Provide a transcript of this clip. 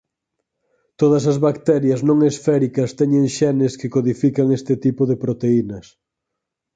Todas as bacterias non esféricas teñen xenes que codifican este tipo de proteínas.